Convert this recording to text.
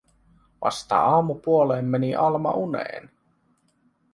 Vasta aamupuoleen meni Alma uneen.